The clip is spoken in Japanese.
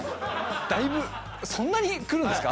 だいぶそんなに来るんですか？